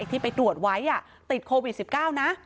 เจ้าบอกว่าจุดการแจ้งจากโควิด๑๙